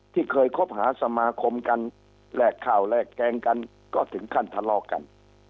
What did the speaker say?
ที่เคยคบหาสมาคมกันแลกข้าวแลกแกงกันก็ถึงขั้นทะเลาะกัน